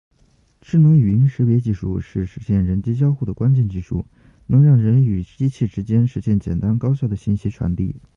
智能语音识别技术是实现人机交互的关键技术，能让人与机器之间实现简单高效的信息传递。